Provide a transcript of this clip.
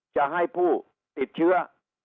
จะให้ผู้ติดเชื้อ